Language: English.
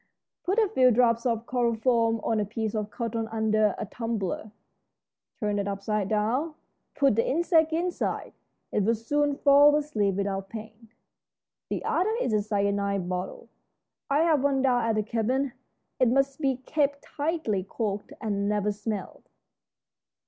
Put a few drops of chloroform on a piece of cotton under a tumbler turned upside down. Put the insect inside. It will soon fall asleep without pain. The other is a cyanide bottle. I have one down at the cabin. It must be kept tightly corked and never smelled.